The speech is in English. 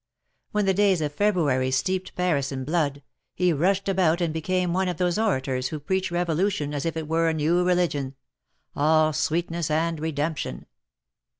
When the days of February steeped Paris in blood, he rushed about and became one of those orators who preach Revolution as if it were a new religion — all sweetness and redemption